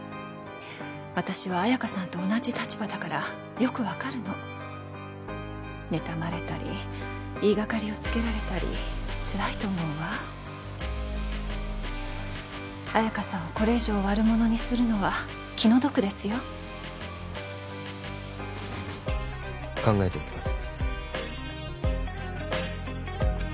私は綾華さんと同じ立場だからよくわかるの妬まれたり言いがかりをつけられたりつらいと思うわ綾華さんをこれ以上悪者にするのは気の毒ですよ考えておきます